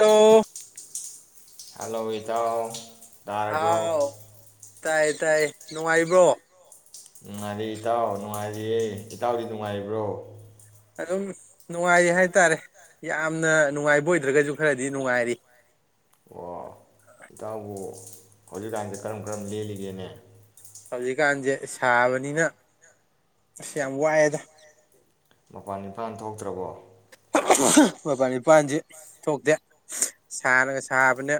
ꯑꯣ ꯍꯂꯣ ꯏꯇꯥꯎ ꯇꯥꯔꯕ꯭ꯔꯣ ꯍꯥꯎ ꯇꯥꯏ ꯇꯥꯏꯌꯦ ꯅꯨꯡꯉꯥꯏꯕ꯭ꯔꯣ ꯅꯨꯡꯉꯥꯏꯔꯤ ꯏꯇꯥꯎ ꯅꯨꯡꯉꯥꯏꯔꯤꯌꯦ ꯏꯇꯥꯎꯗꯤ ꯅꯨꯡꯉꯥꯏꯔꯤꯕ꯭ꯔꯣ ꯑꯗꯨꯝ ꯅꯨꯡꯉꯥꯏꯔꯤ ꯍꯥꯏꯇꯥꯔꯦ ꯌꯥꯝꯅ ꯅꯨꯡꯉꯥꯏꯕ ꯑꯣꯏꯗ꯭ꯔꯒꯁꯨ ꯈꯔꯗꯤ ꯅꯨꯡꯉꯥꯏꯔꯤ ꯑꯣ ꯏꯇꯥꯎꯕꯨ ꯍꯧꯖꯤꯛꯀꯥꯟꯁꯦ ꯀꯔꯝ ꯀꯔꯝ ꯂꯦꯜꯂꯤꯒꯦꯅꯦ ꯍꯧꯖꯤꯛꯀꯥꯟꯁꯦ ꯁꯥꯕꯅꯤꯅ ꯑꯁ ꯌꯥꯝ ꯋꯥꯏꯑꯦꯗ ꯃꯄꯥꯟ ꯏꯄꯥꯟ ꯊꯣꯛꯇ꯭ꯔꯕꯣ ꯃꯄꯜ ꯏꯄꯥꯜꯁꯤ ꯊꯣꯛꯇꯦ ꯁꯥꯅꯒ ꯁꯥꯕꯅꯦ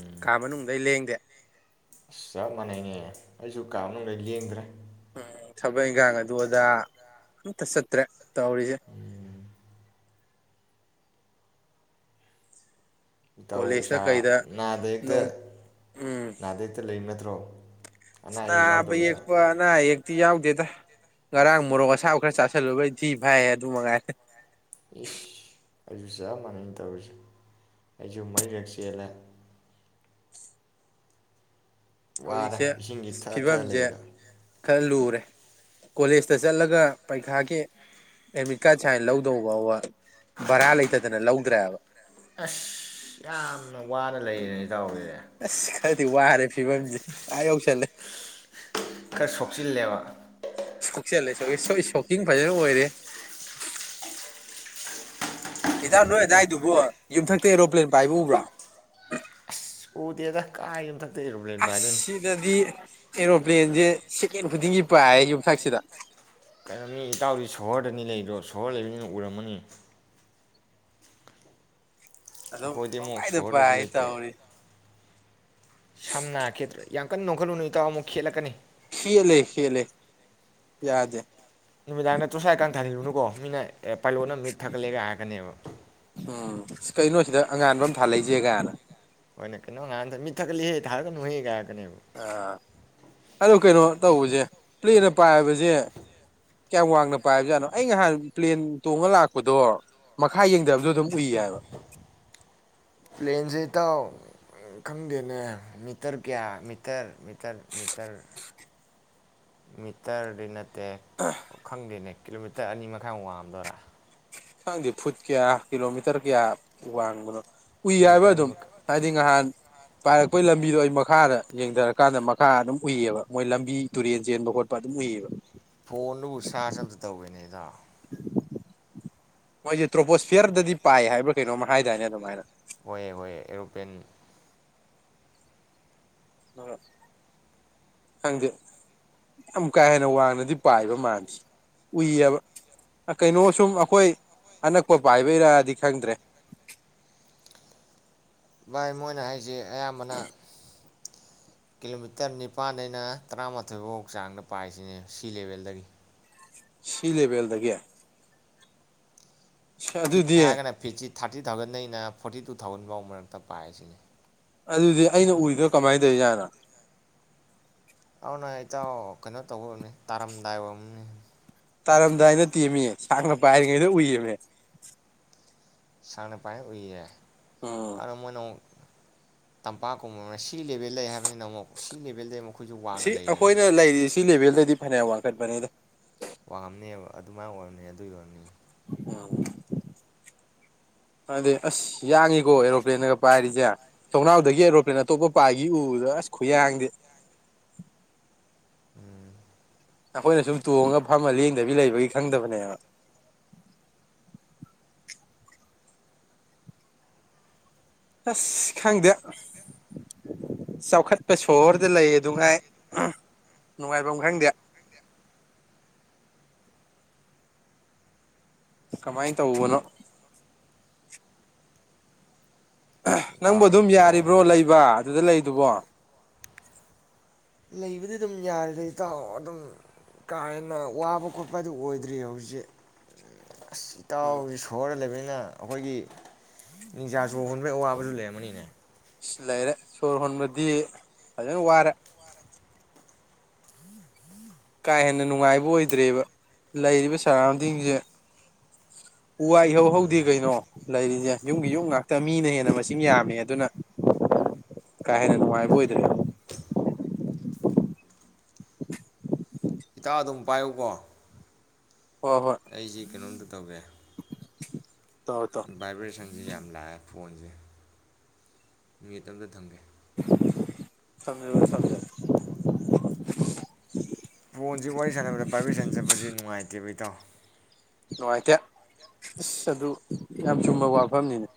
ꯎꯝ ꯀꯥ ꯃꯅꯨꯡꯗꯩ ꯂꯦꯡꯗꯦ ꯑꯁ ꯆꯞ ꯃꯥꯟꯅꯩꯌꯦ ꯑꯩꯁꯨ ꯀꯥ ꯃꯅꯨꯡꯗꯩꯩ ꯂꯦꯡꯗ꯭ꯔꯦ ꯎꯝ ꯊꯕꯛ ꯏꯟꯈꯥꯡ ꯑꯗꯨ ꯑꯗꯥ ꯑꯝꯇ ꯆꯠꯇ꯭ꯔꯦ ꯇꯧꯔꯤꯁꯦ ꯏꯇꯥꯎ ꯀꯣꯂꯦꯖꯇ ꯏꯁꯥ ꯀꯩꯗ ꯅꯥꯗ ꯌꯦꯛꯇ ꯅꯣꯡ ꯎꯝ ꯅꯥꯗ ꯌꯦꯛꯇ ꯂꯩꯕ ꯀꯨ ꯇ꯭ꯔꯣ ꯅꯥꯕ ꯌꯦꯛꯄ ꯑꯅꯥ ꯑꯩꯌꯦꯛꯇꯤ ꯌꯥꯎꯗꯦꯗ ꯉꯔꯥꯡ ꯃꯣꯔꯣꯛ ꯑꯁꯥꯕ ꯈꯔ ꯆꯥꯥꯁꯜꯂꯨꯕꯩ ꯊꯤ ꯐꯥꯏ ꯑꯗꯨ ꯃꯉꯥꯏꯔꯦ ꯏꯁ ꯑꯩꯁꯨ ꯆꯞ ꯃꯥꯟꯅꯩ ꯇꯧꯔꯤꯁꯦ ꯑꯩꯁꯨ ꯃꯩꯔꯤꯔꯛ ꯆꯦꯜꯂꯦ ꯋꯥꯔꯦ ꯍꯧꯖꯤꯛꯁꯦ ꯏꯁꯤꯡꯁꯤ ꯊꯛꯑ ꯊꯛꯑ ꯐꯤꯕꯝꯁꯦ ꯂꯩꯕꯗ ꯈꯔ ꯂꯨꯔꯦ ꯀꯣꯂꯦꯖꯇ ꯆꯠꯂꯒ ꯄꯔꯤꯈꯥꯒꯤ ꯑꯦꯗꯃꯤꯠ ꯀꯥꯔꯗ ꯁꯥꯏꯟ ꯂꯧꯗꯧꯕ ꯐꯥꯎꯕ ꯚꯔꯥ ꯂꯩꯇꯗꯅ ꯂꯧꯗ꯭ꯔꯦꯕ ꯑꯁ ꯌꯥꯝꯅ ꯋꯥꯅ ꯂꯩꯔꯦ ꯑꯁ ꯈꯔꯗꯤ ꯋꯥꯔꯦ ꯐꯤꯕꯝꯁꯦ ꯑꯥ ꯌꯧꯁꯜꯂꯦ ꯈꯔ ꯁꯣꯛꯆꯤꯜꯂꯦꯕ ꯁꯣꯛꯆꯜꯂꯦ ꯁꯣꯛꯀꯤꯡ ꯐꯖꯅ ꯑꯣꯏꯔꯦ ꯏꯇꯥꯎ ꯅꯣꯏ ꯑꯗꯨꯋꯥꯏꯗꯨꯕꯣ ꯌꯨꯝꯊꯛꯇ ꯑꯦꯔꯣꯄ꯭ꯂꯦꯟ ꯄꯥꯏꯕ ꯎꯕ꯭ꯔꯣ ꯎꯗꯦꯗ ꯀꯥꯏ ꯌꯨꯝꯊꯛꯇꯅꯣ ꯑꯁ ꯁꯤꯗꯗꯤ ꯑꯦꯔꯣꯄ꯭ꯂꯦꯟꯁꯦ ꯁꯦꯀꯦꯟ ꯈꯨꯗꯤꯡꯒꯤ ꯄꯥꯏꯌꯦ ꯌꯨꯝꯊꯛꯁꯤꯗ ꯀꯩꯅꯣꯅꯤ ꯏꯇꯥꯎꯗꯤ ꯁꯣꯍꯣꯔꯗꯅꯤ ꯂꯩꯗꯣ ꯁꯣꯍꯣꯔ ꯂꯩꯕꯅꯤꯅ ꯎꯔꯝꯃꯅꯤ ꯑꯗꯨꯝ ꯑꯩꯈꯣꯏꯗꯤ ꯑꯃꯨꯛ ꯄꯪꯄꯥꯏꯗ ꯁꯣꯍꯣꯔꯗꯁꯨ ꯄꯥꯏ ꯂꯩꯇꯦ ꯇꯧꯔꯤꯁꯦ ꯁꯝꯅ ꯈꯦꯠꯇ꯭ꯔꯥ ꯌꯥꯝ ꯀꯟꯅ ꯅꯣꯛꯈꯠꯂꯨꯅꯨ ꯏꯇꯥꯎ ꯑꯃꯨꯛ ꯈꯦꯠꯂꯛꯀꯅꯤ ꯈꯦꯠꯂꯦ ꯈꯦꯠꯂꯦ ꯌꯥꯗꯦ ꯅꯨꯃꯤꯗꯥꯡ ꯇꯣꯔꯁ ꯂꯥꯏꯇꯀꯥ ꯊꯥꯟꯖꯤꯜꯂꯨꯅꯨꯀꯣ ꯃꯤꯅ ꯑꯦ ꯄꯥꯏꯂꯣꯠꯅ ꯃꯤꯠ ꯊꯛꯒꯠꯂꯦꯒ ꯍꯥꯏꯔꯛꯀꯅꯦꯕ ꯎꯝ ꯀꯩꯅꯣ ꯑꯁꯤꯗ ꯑꯉꯥꯟꯕ ꯑꯃ ꯊꯥꯜꯂꯛꯏꯁꯦ ꯀꯥꯏꯅ ꯍꯣꯏ ꯀꯩꯅꯣ ꯉꯍꯥꯟꯗ ꯃꯤꯠ ꯊꯛꯀꯠꯂꯤꯍꯦ ꯊꯥꯂꯛꯀꯅꯨꯍꯦ ꯀꯥꯏ ꯍꯥꯏ ꯀꯅꯦꯕ ꯑꯗꯨ ꯀꯩꯅꯣ ꯇꯧꯕꯁꯦ ꯄ꯭ꯂꯦꯟꯅ ꯄꯥꯏꯕꯁꯦ ꯀꯌꯥꯝ ꯋꯥꯡꯅ ꯄꯥꯏꯕꯖꯥꯠꯅꯣ ꯑꯩ ꯅꯍꯥꯟ ꯄ꯭ꯂꯦꯟ ꯇꯣꯡꯉ ꯂꯥꯛꯄꯗꯣ ꯃꯈꯥ ꯌꯦꯡꯊꯕꯗ ꯑꯗꯨꯝ ꯎꯏ ꯍꯥꯏꯕ ꯄ꯭ꯂꯦꯟꯁꯦ ꯏꯇꯥꯎ ꯈꯪꯗꯦꯅꯦ ꯃꯤꯇꯔ ꯀꯌꯥ ꯃꯤꯇꯔ-ꯃꯤꯇꯔ -ꯃꯤꯇꯔ-ꯃꯤꯇꯔꯗꯤꯅ ꯁꯦ ꯈꯪꯗꯦꯅꯦ ꯀꯤꯂꯣꯃꯤꯇꯔ ꯑꯅꯤ ꯃꯈꯥꯏꯃꯨꯛ ꯋꯥꯡꯉꯝꯗꯣꯔꯥ ꯈꯪꯗꯦ ꯐꯨꯠ ꯀꯌꯥ ꯀꯤꯂꯣꯃꯤꯇꯔ ꯀꯌꯥ ꯋꯥꯡꯕꯅꯣ ꯎꯏ ꯍꯥꯏꯕ ꯀꯤꯂꯣꯃꯤꯇꯔ ꯑꯅꯤ ꯑꯗꯨꯝ ꯃꯈꯥꯏ ꯍꯥꯏꯗꯤ ꯅꯍꯥꯟ ꯄꯥꯏꯔꯛꯄꯩ ꯂꯝꯕꯤꯗꯣ ꯑꯩ ꯃꯈꯥꯗ ꯌꯦꯡꯊꯔꯀꯥꯟꯗ ꯃꯈꯥ ꯑꯗꯨꯝ ꯎꯨꯏꯌꯦꯕ ꯃꯣꯏ ꯂꯝꯕꯤ ꯇꯨꯔꯦꯟ ꯆꯦꯟꯕ ꯈꯣꯠꯄ ꯑꯗꯨꯝ ꯎꯏꯌꯦꯕ ꯐꯣꯟꯗꯨꯕꯨ ꯆꯥꯔꯖ ꯑꯝꯇ ꯇꯧꯒꯦꯅꯦ ꯏꯇꯥꯎ ꯃꯣꯏꯁꯦ ꯇ꯭ꯔꯣꯄꯣꯁꯐꯤꯌꯔꯗꯗꯤ ꯄꯥꯏ ꯍꯥꯏꯕ꯭ꯔꯥ ꯀꯩꯅꯣꯝ ꯍꯥꯏꯗꯥꯏꯅꯦ ꯑꯗꯨꯃꯥꯏꯅ ꯍꯣꯌꯦ ꯍꯣꯌꯦ ꯑꯦꯔꯣꯄ꯭ꯂꯦꯟ ꯈꯪꯗꯦ ꯌꯥꯝ ꯀꯥ ꯍꯦꯟꯅ ꯋꯥꯡꯅꯗꯤ ꯄꯥꯏꯕ ꯃꯥꯥꯟꯗꯦ ꯎꯏ ꯍꯥꯏꯕ ꯀꯩꯅꯣ ꯁꯨꯝ ꯑꯩꯈꯣꯏ ꯑꯅꯛꯄ ꯄꯥꯏꯕꯩꯔꯗꯤ ꯈꯪꯗ꯭ꯔꯦ ꯕꯥꯏ ꯃꯣꯏꯅ ꯍꯥꯏꯁꯦ ꯑꯌꯥꯝꯕꯅ-ꯁ ꯀꯤꯂꯣꯃꯤꯇꯔ ꯅꯤꯄꯥꯥꯟꯗꯩꯅ ꯇꯔꯥꯃꯥꯊꯣꯏꯕꯧ ꯆꯥꯡꯗ ꯄꯥꯏꯁꯤꯅꯤ ꯁꯤ ꯂꯦꯚꯦꯜꯗꯒꯤ ꯁꯤ ꯂꯦꯕꯦꯜꯗꯒꯤ ꯐꯤꯠꯇ ꯍꯥꯏꯔꯒꯅ ꯐꯤꯠꯁꯤ ꯊꯥꯔꯇꯤ ꯊꯥꯎꯖꯟꯗꯩꯅ ꯐꯣꯔꯇꯤꯇꯨ ꯊꯥꯎꯖꯟꯐꯥꯎ ꯃꯔꯛꯇ ꯄꯥꯏꯌꯦ ꯁꯤꯅꯤ ꯑꯗꯨꯗꯤ ꯑꯩꯅ ꯎꯔꯤꯗꯣ ꯀꯃꯥꯏꯅ ꯇꯧꯔꯤꯖꯥꯅꯣ ꯑꯗꯨꯅ ꯏꯇꯥꯎ ꯀꯩꯅꯣ ꯇꯧꯕꯩ ꯑꯣꯏꯔꯝꯅꯤ ꯇꯥꯔꯝꯗꯥꯏ ꯑꯣꯏꯔꯃꯅꯤ ꯇꯥꯔꯝꯗꯥꯏꯗ ꯅꯇꯦꯝꯃꯤ ꯁꯥꯡꯅ ꯄꯥꯏꯔꯤꯉꯩꯗ ꯎꯨꯏꯌꯦꯃꯤ ꯁꯥꯡꯅ ꯄꯥꯏꯀꯥꯟ ꯎꯨꯏꯌꯦ ꯎꯝ ꯑꯗ ꯃꯣꯏꯅꯃꯣꯛ ꯇꯝꯄꯥꯛꯀꯨꯝꯕ ꯑꯃ ꯁꯤ ꯂꯦꯚꯦꯜ ꯗꯩ ꯍꯥꯏꯕꯅꯤꯅ ꯑꯃꯨꯛ ꯁꯤ ꯂꯦꯚꯦꯜꯗꯩ ꯑꯃꯨꯛ ꯑꯩꯈꯣꯏꯁꯨ ꯋꯥꯡꯅ ꯁꯤ ꯂꯩꯗꯅ ꯑꯩꯈꯣꯏꯅ ꯂꯩꯔꯤꯁ ꯁꯤ ꯂꯩꯕꯦꯜꯗꯩꯗꯤ ꯐꯅꯌꯥꯝ ꯋꯥꯈꯠꯄꯅꯤꯗ ꯋꯥꯡꯉꯝꯅꯦꯕ ꯑꯗꯨꯃꯥꯏ ꯑꯣꯏꯔꯝꯅꯦ ꯑꯗꯨꯒꯤ ꯑꯣꯏꯔꯝꯅꯤ ꯎꯝ ꯑꯗꯨꯗꯗꯤ ꯑꯁ ꯌꯥꯡꯉꯤꯀꯣ ꯑꯦꯔꯣꯄ꯭ꯂꯦꯟꯒ ꯄꯥꯏꯔꯤꯁꯦ ꯊꯣꯡꯅꯥꯎꯗꯒꯤ ꯑꯦꯔꯣꯄ꯭ꯂꯦꯟ ꯑꯇꯣꯞꯄ ꯄꯥꯏꯒꯤ ꯎꯕꯗ ꯑꯁ ꯈꯨꯌꯥꯡꯗꯤ ꯎꯨꯝ ꯑꯈꯣꯏꯅ ꯁꯨꯝ ꯇꯣꯡꯉꯒ ꯐꯝꯃ ꯂꯦꯡꯗꯕꯤ ꯂꯩꯕꯒꯤ ꯈꯪꯗꯕꯅꯦꯕ ꯑꯁ ꯈꯪꯗꯦ ꯆꯥꯎꯈꯠꯄ ꯁꯣꯍꯣꯔꯗ ꯂꯩ ꯑꯗꯨ ꯉꯥꯏ ꯑꯍ ꯅꯨꯡꯉꯥꯏꯐꯝ ꯈꯪꯗꯦ ꯀꯃꯥꯏ ꯇꯧꯕꯅꯣ ꯑꯍꯥ ꯏꯇꯥꯎ ꯅꯪꯕꯨ ꯍꯣꯏ ꯑꯗꯨꯝ ꯈꯣꯟ ꯌꯥꯔꯤꯕ꯭ꯔꯣ ꯂꯩꯕ ꯑꯗꯨꯗ ꯂꯩ ꯑꯗꯨꯕꯣ ꯂꯩꯕꯗꯤ ꯑꯗꯨꯝ ꯌꯥꯔꯦꯗ ꯏꯇꯥꯎ ꯑꯗꯨꯝ ꯀꯥ ꯍꯦꯟꯅ ꯋꯥꯕ ꯈꯣꯠꯄ ꯑꯗꯨ ꯑꯣꯏꯗ꯭ꯔꯤ ꯍꯧꯖꯤꯛ ꯑꯁ ꯏꯇꯥꯎ ꯁꯣꯔ ꯂꯩꯕ ꯑꯩꯈꯣꯏꯒꯤ ꯅꯤꯡꯁꯥ ꯁꯣꯔ ꯍꯣꯟꯕꯒꯤ ꯑꯋꯥꯕꯁꯨ ꯂꯩꯔꯝꯒꯅꯤꯅꯦ ꯂꯩꯔꯦ ꯁꯣꯔ ꯍꯣꯟꯕꯗꯤ ꯐꯖꯅ ꯋꯥꯔꯦ ꯀꯥ ꯍꯦꯟꯅ ꯅꯨꯡꯉꯥꯏꯕ ꯑꯣꯏꯗ꯭ꯔꯦꯕ ꯂꯩꯔꯤꯕ ꯁꯔꯥꯎꯟꯗꯤꯡꯁꯦ ꯎ ꯋꯥ ꯏꯍꯧ ꯎꯝ ꯍꯧꯗꯦ ꯀꯩꯅꯣ ꯂꯩꯔꯤꯁꯦ ꯌꯨꯝꯒꯤ ꯌꯨꯝ ꯉꯥꯛꯇ ꯃꯤꯅ ꯍꯦꯟꯅ ꯃꯁꯤꯡ ꯌꯥꯝꯃꯦ ꯑꯗꯨꯅ ꯀꯥ ꯍꯦꯟꯅ ꯅꯨꯡꯉꯥꯏꯕ ꯑꯣꯏꯗ꯭ꯔꯦ ꯏꯇꯥꯎ ꯑꯗꯨꯝ ꯄꯥꯏꯌꯨꯀꯣ ꯍꯣꯏ ꯍꯣꯏ ꯑꯩꯖꯦ ꯀꯩꯅꯣꯝꯇꯥ ꯇꯧꯒꯦ [inaudible] ꯚꯥꯏꯕ꯭ꯔꯦꯁꯟꯁꯤ ꯌꯥꯝ ꯂꯥꯛꯑꯦ ꯐꯣꯟꯁꯦ ꯅꯨꯃꯤꯠ ꯃꯨꯠ ꯑꯃꯇ ꯊꯝꯒꯦ ꯊꯥꯝ ꯃꯦꯕ ꯊꯥꯃꯦ ꯐꯣꯟꯁꯤ ꯋꯥꯔꯤ ꯁꯥꯟꯅꯕꯗ ꯚꯔꯕꯤꯁꯟ ꯆꯠꯄꯁꯤ ꯅꯨꯡꯉꯥꯏꯇꯦꯕ ꯏꯇꯥꯎ ꯅꯨꯡꯉꯥꯏꯇꯦ ꯑꯁ ꯑꯗꯨ ꯌꯥꯝ ꯆꯨꯝꯕ ꯋꯥꯐꯝꯅꯤꯅꯦ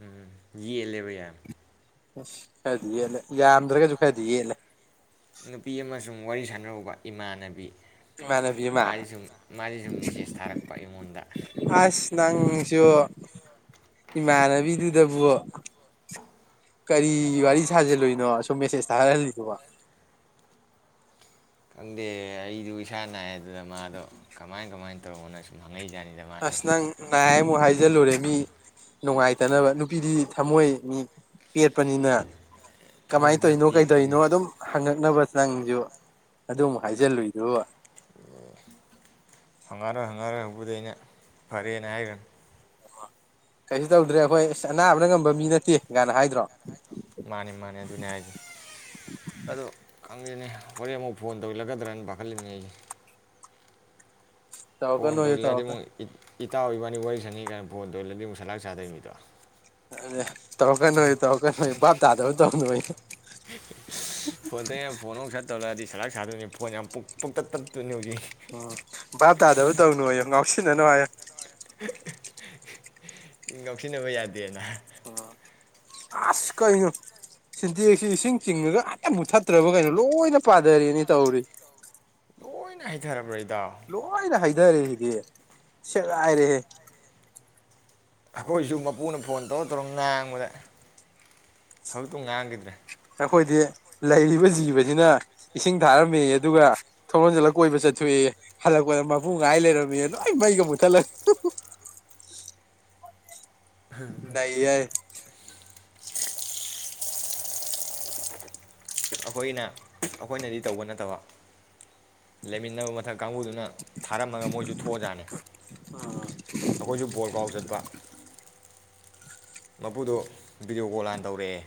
ꯎꯝ ꯌꯦꯠꯂꯦꯕ ꯌꯥꯝ ꯑꯁ ꯈꯔꯗꯤ ꯌꯦꯜꯂꯦ ꯌꯥꯝꯗ꯭ꯔꯒꯁꯨ ꯈꯔꯗꯤ ꯌꯦꯠꯂꯦ ꯅꯨꯄꯤ ꯑꯃꯥ ꯁꯨꯝ ꯋꯥꯔꯤ ꯁꯥꯟꯅꯔꯨꯕ ꯏꯃꯥꯟꯅꯕꯤ ꯏꯃꯥꯟꯅꯕꯤ ꯑꯃ ꯃꯥꯗꯤ ꯁꯝ ꯃꯥꯗꯤ ꯁꯨꯝ ꯃꯦꯁꯦꯖ ꯊꯥꯔꯛꯄ ꯑꯩꯉꯣꯟꯗ ꯑꯁ ꯅꯪꯁꯨ ꯏꯃꯥꯟꯅꯕꯤꯗꯨꯗꯕꯨ ꯀꯔꯤ ꯋꯥꯔꯤ ꯁꯥꯖꯜꯂꯣꯏꯅꯣ ꯁꯨꯝ ꯃꯦꯁꯦꯖ ꯊꯥꯍꯜꯂꯤꯁꯤꯕꯣ ꯈꯪꯗꯦ ꯑꯩꯗꯨ ꯏꯁꯥ ꯅꯥꯏ ꯑꯗꯨꯅ ꯃꯥꯗꯣ ꯀꯃꯥꯏ ꯀꯃꯥꯏꯅ ꯇꯧꯕꯅꯣ ꯁꯨꯝ ꯍꯪꯉꯛꯏꯖꯥꯠꯅꯤꯗ ꯃꯥꯁꯨ ꯑꯁ ꯅꯪ ꯅꯥꯏ ꯑꯃꯨꯛꯍꯥꯏꯖꯜꯂꯨꯔꯦ ꯃꯤ ꯅꯨꯡꯉꯥꯏ ꯇꯅꯕ ꯅꯨꯄꯤꯗꯤ ꯊꯝꯃꯣꯏ ꯃꯤ ꯄꯦꯠꯄꯅꯤꯅ ꯊꯃꯣꯏ ꯀꯃꯥꯏꯅ ꯈꯔ ꯇꯧꯔꯤꯅꯣ ꯄꯦꯠꯄꯅꯤ ꯀꯩꯗꯧꯔꯤꯅꯣ ꯑꯗꯨꯝ ꯍꯪꯉꯛꯅꯕ ꯅꯪꯁꯨ ꯑꯗꯨꯃꯨꯛ ꯍꯥꯏꯖꯤꯜꯂꯨꯏꯗꯨ ꯍꯪꯉꯔꯣꯏ ꯍꯪꯉꯔꯣꯏ ꯍꯧꯕꯗꯤ ꯑꯩꯅ ꯐꯔꯦꯅ ꯍꯥꯏꯈ꯭ꯔꯅꯤ ꯀꯩꯁꯨ ꯇꯧꯗ꯭ꯔꯦ ꯑꯩꯈꯣꯏ ꯑꯁ ꯑꯅꯥꯕꯅ ꯉꯝꯕ ꯃꯤ ꯅꯠꯇꯦ ꯀꯥꯏꯅ ꯍꯥꯏꯗ꯭ꯔꯣ ꯃꯥꯅꯦ ꯃꯥꯅꯦ ꯑꯗꯨꯅꯦ ꯍꯥꯏꯖꯦ ꯑꯗꯣ ꯈꯪꯗꯦꯅꯦ ꯍꯣꯔꯦꯟ ꯑꯃꯨꯛ ꯐꯣꯟ ꯇꯧꯁꯤꯜꯂꯛꯀꯗ꯭ꯔꯅ ꯄꯥꯈꯠꯂꯤꯅꯤ ꯑꯩꯒꯤ ꯐꯣꯟ ꯇꯧꯔꯛꯀꯅꯣꯌꯨ ꯇꯧꯁꯤꯟ ꯂꯛꯑꯗꯤ ꯃꯣꯢ ꯇꯧꯔꯛꯀꯅꯨ ꯏꯇꯥꯎ ꯏꯕꯥꯅꯤ ꯋꯥꯔꯤ ꯁꯥꯟꯅ ꯀꯥꯏꯅ ꯐꯣꯟꯗꯣ ꯇꯣꯏꯁꯤꯟ ꯂꯗꯤ ꯑꯃꯨꯛ ꯁꯟ ꯂꯥꯛ ꯁꯗꯣꯏꯅꯤꯗꯣ ꯇꯧꯔꯛ ꯀꯥꯅꯣꯌꯨ ꯇꯧꯔꯛ ꯀꯅꯣꯌꯨ [inaudible] ꯐꯣꯟ ꯍꯣꯏ ꯌꯥꯝ ꯄꯣꯇꯛ ꯇꯠꯇꯨꯅꯤ ꯍꯧꯖꯤꯛ ꯎꯝ ꯕꯥꯥꯞ ꯇꯥꯗꯕꯨ ꯇꯧꯅꯨꯌꯨ ꯉꯥꯎꯁꯤꯟꯅꯅꯨ ꯍꯥꯏꯌꯦ ꯉꯥꯎꯁꯤꯟꯅꯕ ꯌꯥꯗꯦꯅ ꯑꯁ ꯀꯩꯅꯣ ꯁꯤꯟꯗꯦꯛꯁꯤ ꯏꯁꯤꯡ ꯆꯤꯡꯉꯒ ꯍꯛꯇ ꯃꯨꯛ ꯊꯠꯇ꯭ꯔꯕ ꯀꯩꯅꯣ ꯂꯣꯏꯅ ꯄꯥꯊꯔꯅꯤ ꯇꯧꯔꯤ ꯂꯣꯏꯅ ꯍꯩꯊꯔꯕ꯭ꯔꯗꯤ ꯂꯣꯏꯅꯥ ꯍꯩꯊ ꯍꯩꯗꯔꯦ ꯁꯤꯗꯤ ꯁꯦꯒꯥꯏꯔꯦꯍꯦ ꯑꯩꯈꯣꯏꯁꯨ ꯃꯄꯨꯅ ꯐꯣꯟ ꯇꯧꯔ ꯇꯧꯔ ꯉꯥꯡꯕꯗ ꯍꯧꯖꯤꯛꯇ ꯉꯥꯡꯈꯤꯗ꯭ꯔꯦ ꯑꯩꯈꯣꯏꯗꯤ ꯂꯩꯔꯤꯕ ꯖꯤꯕꯁꯤꯅ ꯏꯁꯤꯡ ꯊꯥꯔꯝꯃꯤ ꯑꯗꯨꯒ ꯊꯣꯟꯖꯜꯂ ꯀꯣꯏꯕ ꯆꯠꯊꯣꯛꯑꯦ ꯍꯜꯂꯛꯄꯗ ꯃꯄꯨ ꯉꯥꯏ ꯂꯩꯔꯝꯃꯤ ꯂꯣꯏ ꯃꯩꯒ ꯃꯨꯊꯠꯂꯒ ꯎꯝꯝ ꯑꯩꯈꯣꯏꯅ ꯑꯩꯈꯣꯏꯅꯗꯤ ꯇꯧꯕ ꯅꯠꯇꯕ ꯂꯩꯃꯤꯟꯅꯕ ꯃꯊꯛ ꯀꯥꯡꯕꯨꯗꯨꯅ ꯊꯥꯔꯝꯃꯒ ꯃꯣꯏꯁꯨ ꯊꯣꯛꯑꯖꯥꯠꯅꯤ ꯑꯩꯈꯣꯏꯁꯨ ꯕꯣꯣꯔꯒ꯭ꯔꯥꯎ ꯆꯠꯄ ꯃꯄꯨꯗꯣ ꯚꯤꯗꯤꯑꯣ ꯀꯣꯜ ꯍꯥꯟꯅ ꯇꯧꯔꯛꯑꯦ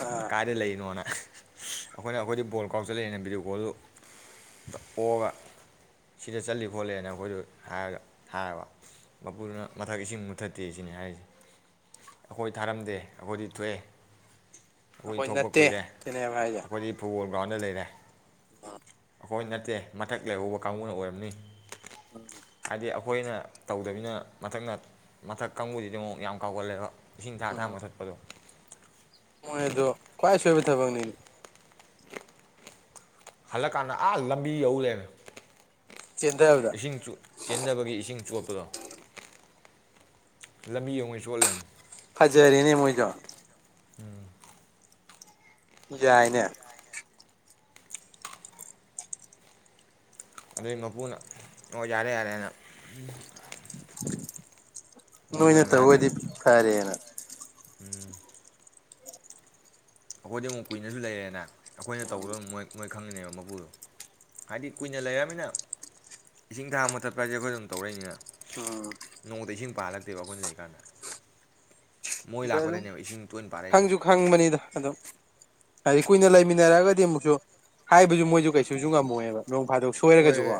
ꯑꯥ ꯀꯥꯏꯗ ꯂꯩꯔꯤꯅꯣꯅ ꯑꯩꯈꯣꯏꯅ ꯑꯩꯈꯣꯏꯗꯤ ꯕꯣꯜ ꯀꯥꯎꯆꯜꯂꯛꯑꯦꯅ ꯚꯤꯗꯤꯑꯣ ꯀꯣꯜꯗꯨꯗ ꯑꯣꯛꯑꯒ ꯁꯤꯗ ꯆꯠꯂꯤ ꯈꯣꯠꯂꯦꯅ ꯑꯩꯈꯣꯏꯗ ꯍꯥꯏꯗ ꯍꯥꯏꯕ ꯃꯄꯨꯗꯨꯅ ꯃꯊꯛ ꯏꯁꯤꯡ ꯃꯨꯠꯊꯠꯇꯦ ꯁꯤꯅꯤ ꯍꯥꯏꯔꯤꯁꯦ ꯑꯩꯈꯣꯏ ꯊꯥꯔꯝꯗꯦ ꯑꯩꯈꯣꯏꯗꯤ ꯊꯣꯛꯑꯦ ꯑꯩꯈꯣꯏ ꯊꯣꯛꯄ ꯅꯠꯇꯦ ꯀꯨꯏꯔꯦ ꯁꯤꯅꯦꯕ ꯑꯩꯈꯣꯏꯗꯤ ꯐꯨꯠꯕꯣꯜ ꯒ꯭ꯔꯥꯎꯟꯗ ꯂꯩꯔꯦ ꯑ ꯍꯣꯏ ꯅꯠꯇꯦ ꯃꯊꯛ ꯂꯩꯍꯧꯕ ꯀꯥꯡꯕꯨꯅ ꯑꯣꯏꯔꯝꯅꯤ ꯍꯥꯏꯗꯤ ꯑꯩꯈꯣꯏꯅ ꯇꯧꯗꯕꯤꯅꯤꯅ ꯃꯊꯛꯅ ꯃꯊꯛ ꯀꯥꯡꯪꯕꯨꯗꯤꯗꯤ ꯑꯃꯨꯛ ꯌꯥꯝ ꯀꯥꯎꯒꯠꯂꯦꯕ ꯏꯁꯤꯡ ꯊꯥ ꯇꯔꯥ ꯑꯃꯊꯠꯄꯗꯣ ꯍꯗꯣ ꯈ꯭ꯋꯥꯏꯁꯨ ꯑꯣꯏꯕ ꯊꯕꯛꯅꯤꯗꯤ ꯍꯜꯂꯛꯀꯥꯟꯗ ꯑꯥ ꯂꯝꯕꯤ ꯌꯧꯔꯦꯕ ꯆꯦꯟꯊꯕꯗ ꯏꯁꯤꯡ ꯆꯦꯟꯗꯕꯒꯤ ꯏꯁꯤꯡ ꯆꯣꯠꯄꯗꯣ ꯂꯝꯕꯤ ꯌꯦꯡꯉꯩ ꯁꯣꯜꯂꯦ ꯐꯖꯌꯥꯔꯤꯅꯤ ꯃꯣꯏꯗꯣ ꯎꯝ ꯌꯥꯏꯅꯦ ꯑꯗꯨꯏ ꯃꯄꯨꯅ ꯑꯣ ꯌꯥꯔꯦ ꯌꯥꯔꯦꯅ ꯃꯣꯏꯗ ꯅꯅ ꯑꯣꯏꯅ ꯇ ꯍꯣꯏꯗꯤ ꯀꯥꯔꯦꯅ ꯎꯝ ꯑꯩꯈꯣꯏꯗꯤ ꯑꯃꯨꯛ ꯀꯨꯏꯅꯁꯨ ꯂꯩꯔꯦꯅ ꯑꯩꯈꯣꯏꯅ ꯎꯝ ꯇꯧꯒꯗꯕ ꯃꯣꯏ ꯃꯣꯏ ꯈꯪꯉꯤꯅꯦꯕ ꯃꯄꯨꯗꯣ ꯍꯥꯏꯗꯤ ꯀꯨꯏꯅ ꯂꯩꯔꯕꯅꯤꯅ ꯏꯁꯤꯡ ꯊꯥ ꯑꯃꯨꯊꯠꯄ ꯍꯥꯏꯁꯦ ꯑꯩꯈꯣꯏ ꯑꯗꯨꯝ ꯇꯧꯔꯛꯏꯅꯤꯅ ꯎꯝ ꯅꯣꯡꯉꯗ ꯏꯁꯤꯡ ꯄꯥꯍꯜꯂꯛꯇꯦꯕ ꯑꯩꯈꯣꯏꯅ ꯂꯩꯔꯤꯀꯥꯟꯗ ꯃꯣꯏ ꯑꯗ ꯑꯗꯨꯝ ꯂꯥꯛꯄꯗꯩꯅꯦꯕ ꯏꯁꯤꯡ ꯇꯣꯏꯅ ꯄꯥꯔꯛꯏꯁꯦ ꯈꯪꯁꯨ ꯈꯪꯕꯅꯤꯗ ꯑꯗꯨꯝ ꯍꯥꯏꯗꯤ ꯀꯨꯏꯅ ꯂꯩꯃꯤꯟꯅꯔꯒꯗꯤ ꯑꯃꯨꯛꯁꯨ ꯍꯥꯏꯕꯁꯨ ꯃꯣꯏꯁꯨ ꯀꯩꯁꯨꯁꯨ ꯉꯝꯃꯣꯏꯑꯕ ꯅꯣꯡ ꯐꯥꯗꯣꯛ ꯁꯣꯏꯔꯒꯁꯨꯀꯣ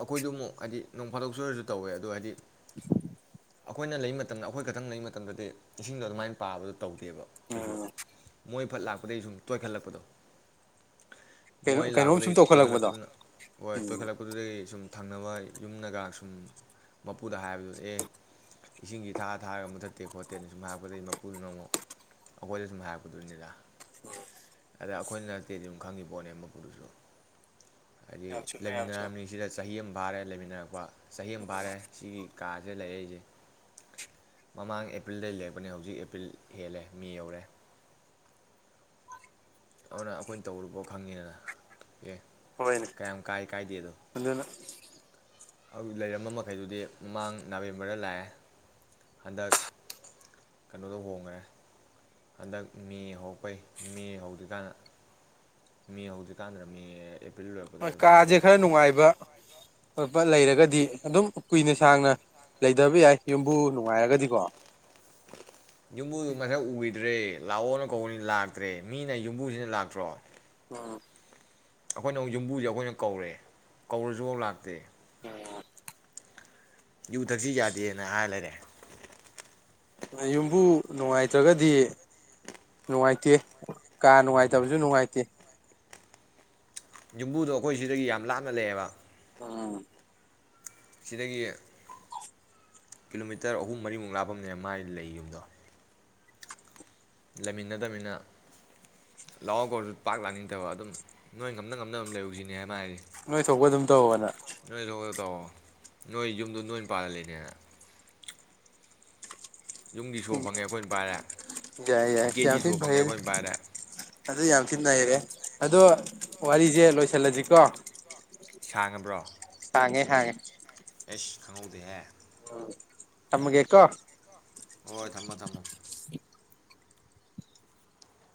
ꯑꯩꯈꯣꯏꯗꯨ ꯑꯃꯨꯛ ꯍꯥꯏꯗꯤ ꯅꯣꯡ ꯐꯥꯗꯣꯛ ꯁꯣꯏꯨꯔꯁꯨ ꯇꯧꯋꯦ ꯑꯗꯣ ꯍꯥꯏꯗꯤ ꯎ ꯑꯩꯈꯣꯏꯅ ꯂꯩ ꯃꯇꯝꯗ ꯑꯩꯈꯣꯏ ꯈꯛꯇꯪ ꯂꯩ ꯃꯇꯝꯗꯗꯤ ꯏꯁꯤꯡꯗꯣ ꯑꯗꯨꯃꯥꯏꯅ ꯄꯥꯕꯗ ꯇꯧꯗꯦꯕ ꯀꯩꯁꯨ ꯃꯣꯏ ꯑꯐꯠ ꯂꯥꯛꯄꯗꯒꯤ ꯁꯨꯝ ꯇꯣꯏꯈꯠꯂꯛꯄꯗꯣ ꯀꯩꯅꯣ ꯃꯣꯏ ꯀꯩꯅꯣꯝ ꯂꯥꯛꯄꯗ ꯁꯨꯝ ꯏꯣ ꯈꯦ ꯇꯧꯈꯠꯂꯛꯄꯗꯣ ꯄꯨꯅ ꯑꯣꯣ ꯈꯦ ꯄꯨ ꯁꯨꯝ ꯊꯪꯅꯕ ꯌꯨꯝꯅꯒ ꯁꯨꯝ ꯃꯄꯨꯗ ꯍꯥꯏꯕꯗꯨ ꯑꯦ ꯏꯁꯤꯡꯁꯤ ꯊꯥꯔ ꯊꯥꯔꯒ ꯃꯨꯊꯠꯇꯦ ꯈꯣꯠꯇꯦꯅ ꯁꯨꯝ ꯍꯥꯏꯔꯛꯄꯗꯩ ꯃꯄꯨꯗꯨꯅ ꯑꯃꯨꯛ ꯑꯩꯈꯣꯏꯗ ꯁꯨꯝ ꯍꯥꯏꯔꯛꯄꯗꯣꯏꯅꯤꯗ ꯑꯗ ꯑꯩꯈꯣꯏꯅ ꯅꯠꯇꯦꯗꯤ ꯑꯗꯨꯝ ꯈꯪꯉꯤ ꯄꯣꯠꯅꯦ ꯃꯄꯨꯗꯨꯁꯨ ꯍꯥꯏꯗꯤ ꯌꯥꯝ ꯆꯨꯝꯃꯦ ꯌꯥꯝ ꯆꯨꯝꯃꯦ ꯂꯩꯃꯤꯟꯅꯥꯅꯤꯁꯤꯗ ꯆꯍꯤ ꯑꯃ ꯚꯥꯔꯦ ꯂꯩꯃꯤꯟꯅꯔꯛꯄ ꯆꯍꯤ ꯑꯃ ꯐꯥꯔꯦ ꯁꯤꯒꯤ ꯀꯥꯁꯦ ꯂꯩ ꯑꯩ ꯃꯃꯥꯡ ꯑꯦꯄ꯭ꯔꯤꯜꯗ ꯂꯔꯛꯄꯅꯦ ꯍꯧꯖꯤꯛ ꯑꯦꯄ꯭ꯔꯤꯜ ꯍꯦꯜꯂꯦ ꯃꯤ ꯌꯧꯔꯦ ꯑꯗꯨꯅ ꯑꯩꯈꯣꯏꯅ ꯇꯧꯔꯨꯕꯣ ꯈꯪꯉꯤꯗꯅ ꯑꯦ ꯍꯣꯏꯅꯦ ꯀꯌꯥꯝ ꯀꯥꯏ ꯀꯥꯏꯗꯦꯗꯣ ꯑꯗꯨꯅ ꯑꯗꯨ ꯂꯩꯔꯝꯕ ꯃꯈꯩꯗꯨꯗꯤ ꯃꯃꯥꯡ ꯅꯕꯦꯝꯕꯔꯗ ꯂꯥꯛꯑꯦ ꯍꯟꯗꯛ ꯀꯩꯅꯣꯗꯣ ꯍꯣꯡꯈ꯭ꯔꯦ ꯍꯟꯗꯛ ꯃꯦ ꯍꯧꯔꯛꯄꯩ ꯃꯦ ꯍꯧꯗ꯭ꯔꯤꯀꯥꯟꯗ ꯃꯤ ꯍꯧꯖꯤꯛꯀꯥꯟꯗ ꯃꯤ ꯍ ꯀꯥꯁꯦ ꯈꯔ ꯅꯨꯡꯉꯥꯏꯕ ꯈꯣꯠꯄ ꯂꯩꯔꯒꯗꯤ ꯗꯤ ꯑꯗꯨꯝ ꯀꯨꯏꯅ ꯁꯥꯡꯅ ꯂꯩꯗꯕ ꯌꯥꯏ ꯌꯨꯝꯕꯨ ꯅꯨꯡꯉꯥꯏꯔꯒꯗꯤꯀꯣ ꯨꯝꯃꯕꯨ ꯃꯁꯦ ꯎꯒ ꯭ꯔꯦ ꯂꯥꯛꯑꯣꯅ ꯀꯧꯅꯤ ꯂꯥꯛꯇ꯭ꯔꯦ ꯃꯤꯅ ꯌꯨꯝꯕꯨꯁꯤꯅ ꯂꯥꯛꯇ꯭ꯔꯣ ꯎꯝ ꯑꯩꯈꯣꯏꯅ ꯑꯃꯨꯛ ꯌꯨꯝꯕꯨꯁꯦ ꯑꯩꯈꯣꯏꯅ ꯀꯧꯔꯦ ꯀꯧꯔꯁꯨꯐꯥꯎ ꯂꯥꯛꯇꯦ ꯌꯨ ꯊꯛꯁꯤ ꯌꯥꯗꯦꯅ ꯍꯥꯏꯔ ꯂꯩꯔꯦ ꯌꯨꯝꯕꯨ ꯅꯨꯡꯉꯥꯏꯇ꯭ꯔꯒꯗꯤ ꯅꯨꯡꯉꯥꯏꯇꯦ ꯀꯥ ꯅꯨꯡꯉꯥꯏꯇꯕꯁꯨ ꯅꯨꯡꯉꯥꯏꯇꯦ ꯌꯨꯝꯕꯨꯗꯣ ꯑꯩꯈꯣꯏ ꯁꯤꯗꯒꯤ ꯌꯥꯝ ꯂꯥꯞꯅ ꯂꯩꯌꯦꯕ ꯎꯝ ꯁꯤꯗꯒꯤ ꯀꯤꯂꯣꯃꯤꯇꯔ ꯑꯍꯨꯝ ꯃꯔꯤꯃꯨꯛ ꯂꯥꯞꯄꯅꯦ ꯃꯥꯏ ꯂꯩ ꯌꯨꯝꯗꯣ ꯂꯩꯃꯤꯟꯅꯗꯕꯃꯤꯅ ꯂꯍꯥꯎ ꯀꯧꯁꯨ ꯄꯥꯛ ꯂꯥꯅꯤꯡꯗꯕ ꯑꯗꯨꯝ ꯅꯣꯏ ꯉꯝꯅ ꯉꯝꯅꯕꯝ ꯂꯩꯔꯨꯁꯤꯅꯦ ꯍꯥꯏꯕ ꯍꯥꯏꯁꯦ ꯅꯣꯏ ꯊꯣꯛꯄ ꯑꯗꯨꯝ ꯇꯧꯧꯕꯅ ꯇꯧ ꯅꯣꯏ ꯌꯨꯝꯗꯣ ꯅꯣꯏ ꯃꯄꯥꯟꯜꯗ ꯂꯩꯅꯦꯅ ꯌꯨꯝꯒꯤ ꯁꯣ ꯎꯝ ꯐꯪꯉꯦ ꯑꯩꯈꯣꯏꯅ ꯄꯥꯏꯔꯦ ꯌꯥꯏ ꯌꯥꯏ ꯒꯦꯠꯀꯤ ꯌꯥꯝꯊꯤ ꯁꯣ ꯐꯪꯉꯦ ꯐꯩ ꯑꯩꯈꯣꯏꯅ ꯄꯥꯏꯔꯦ ꯑꯗꯨ ꯌꯥꯝꯊꯤ ꯅꯩꯔꯦ ꯑꯗꯣ ꯋꯥꯔꯤꯁꯦ ꯂꯣꯏꯁꯤꯜꯂꯁꯤꯀꯣ ꯁꯥꯡꯉꯕ꯭ꯔꯣ ꯊꯥꯡꯉꯦ ꯍꯥꯡꯉꯦ ꯑꯦꯁ ꯈꯪꯉꯎꯗꯦ ꯍꯦ ꯇꯃꯒꯦꯀꯣ ꯍꯣꯏ ꯊꯝꯃꯣ ꯊꯝꯃꯣ